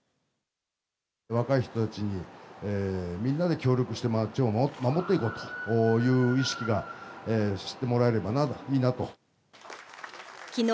若い人たちにみんなで協力して、街を守っていこうという意識が知ってもらえればいいなと。